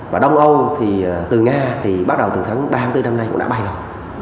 và đông âu thì từ nga thì bắt đầu từ tháng ba mươi bốn năm nay cũng đã bay rồi